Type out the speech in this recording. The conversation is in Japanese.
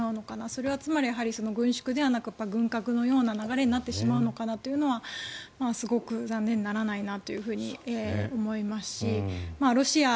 それはつまり軍縮ではなく軍拡のような流れになってしまうのかなというのはすごく残念でならないなと思いますし